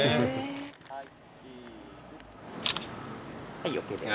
はいＯＫです。